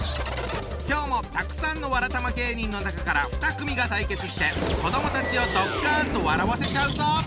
今日もたくさんのわらたま芸人の中から２組が対決して子どもたちをドッカンと笑わせちゃうぞ！